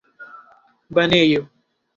banejo